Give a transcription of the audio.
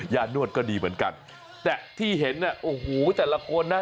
นวดก็ดีเหมือนกันแต่ที่เห็นน่ะโอ้โหแต่ละคนนะ